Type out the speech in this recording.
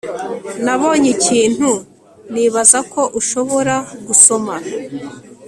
Nabonye ikintu nibaza ko ushobora gusoma